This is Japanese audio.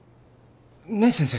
ねえ先生。